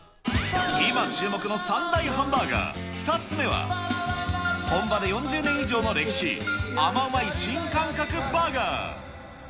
今注目の３大ハンバーガー、２つ目は、本場で４０年以上の歴史、甘うまい新感覚バーガー。